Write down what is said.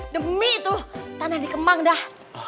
demi tuh tahan tahanin kemang dah